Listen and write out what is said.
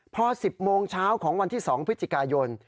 พอ๑๐โมงเช้าของวันที่๒พฤศจิกายน